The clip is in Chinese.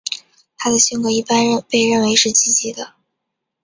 她的性格一般被认为是积极的。